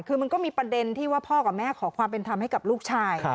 คือมันก็มีประเด็นที่ว่าพ่อกับแม่ขอความเป็นธรรมให้กับลูกชาย